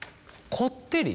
こってり？